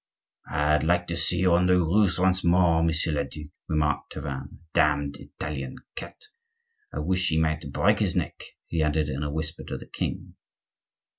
"I'd like to see you on the roofs once more, monsieur le duc," remarked Tavannes. "Damned Italian cat! I wish he might break his neck!" he added in a whisper to the king.